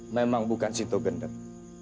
memang bukan sinta gendeng